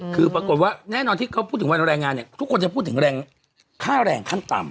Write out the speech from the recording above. คือปรากฏว่าแน่นอนที่เขาพูดถึงวันแรงงานเนี่ยทุกคนจะพูดถึงแรงค่าแรงขั้นต่ำ